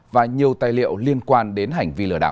và nhiều tài liệu liên quan đến hành vi lừa đảo